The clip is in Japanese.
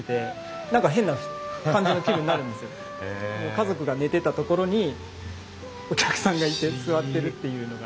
家族が寝てた所にお客さんがいて座ってるっていうのが。